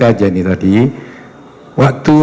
saja ini tadi waktu